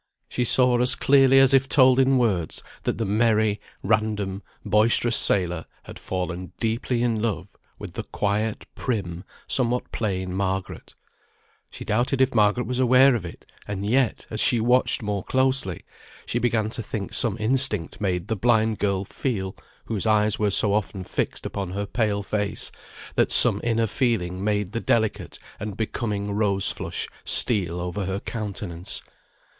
She saw as clearly as if told in words, that the merry, random, boisterous sailor had fallen deeply in love with the quiet, prim, somewhat plain Margaret: she doubted if Margaret was aware of it, and yet, as she watched more closely, she began to think some instinct made the blind girl feel whose eyes were so often fixed upon her pale face; that some inner feeling made the delicate and becoming rose flush steal over her countenance.